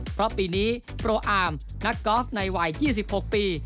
เพราะปีนี้โปรอาร์มนักกอล์ฟในวัย๒๖ปี